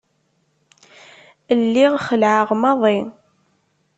Lliɣ xelεeɣ maḍi.